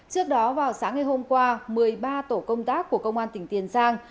trước đó vào sáng ngày hôm qua một mươi ba tổ công tác của công an tỉnh tiền giang